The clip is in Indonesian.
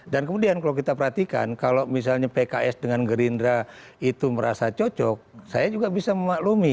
dan kemudian kalau kita perhatikan kalau misalnya pks dengan gerindra itu merasa cocok saya juga bisa memaklumi